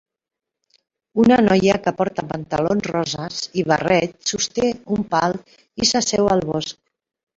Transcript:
Una noia que porta pantalons roses i barret sosté un pal i s'asseu al bosc.